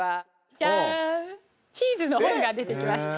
ジャンチーズの本が出て来ました。